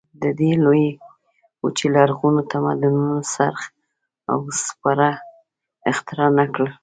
د دې لویې وچې لرغونو تمدنونو څرخ او سپاره اختراع نه کړل.